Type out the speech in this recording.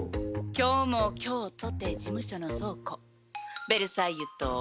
今日も今日とて事務所の倉庫ベルサイユと申します。